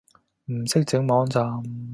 唔識整網站